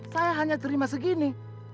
saya hanya terima segini